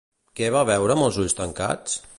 Què va veure amb els ulls tancats?